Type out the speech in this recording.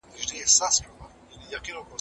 د فارميسي پوهنځي چيري سته؟